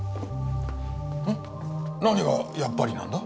何がやっぱりなんだ？